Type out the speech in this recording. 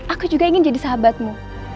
aku juga ingin jadi sahabatmu